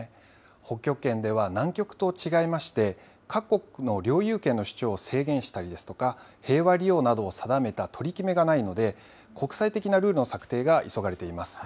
北極圏では南極と違いまして、各国の領有権の主張を制限したりですとか、平和利用などを定めた取り決めがないので、国際的なルールの策定が急がれています。